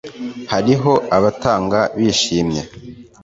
hariho abatanga bishimye,